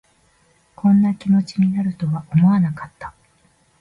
こんな気持ちになるとは思わなかった